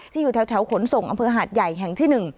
อยู่แถวขนส่งอำเภอหาดใหญ่แห่งที่๑